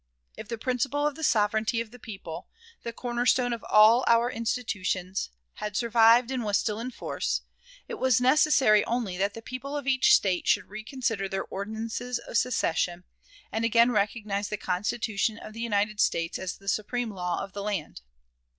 If the principle of the sovereignty of the people, the cornerstone of all our institutions, had survived and was still in force, it was necessary only that the people of each State should reconsider their ordinances of secession, and again recognize the Constitution of the United States as the supreme law of the land.